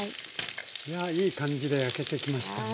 いやいい感じで焼けてきましたが。